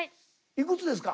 いくつですか？